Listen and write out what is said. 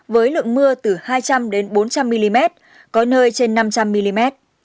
với lượng mưa từ hai trăm linh bốn trăm linh mm có nơi trên năm trăm linh mm